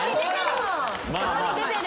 顔に出てる。